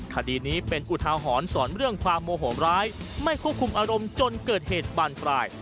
คดีนี้เป็นอุทาหรณ์สอนเรื่องความโมโหมร้ายไม่ควบคุมอารมณ์จนเกิดเหตุบานปลาย